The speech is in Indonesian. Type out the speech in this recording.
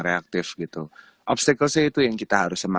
lalu obstacle nya yang saya rasakan